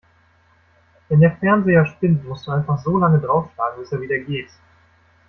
Wenn der Fernseher spinnt, musst du einfach so lange draufschlagen, bis er wieder geht.